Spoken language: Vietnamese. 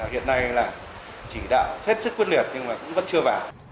hiện nay là chỉ đạo hết sức quyết liệt nhưng mà cũng vẫn chưa vào